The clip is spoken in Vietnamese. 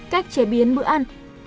cách chế biến bữa ăn